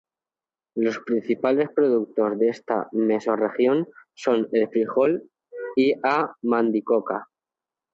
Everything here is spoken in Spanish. Los principales productos de esta mesorregión son el frijol y a mandioca.